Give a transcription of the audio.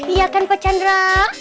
iya kan pak chandra